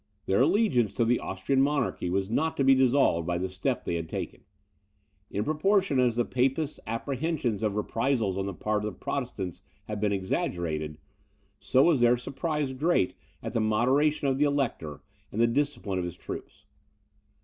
Their allegiance to the Austrian monarchy was not to be dissolved by the step they had taken. In proportion as the Papists' apprehensions of reprisals on the part of the Protestants had been exaggerated, so was their surprise great at the moderation of the Elector, and the discipline of his troops.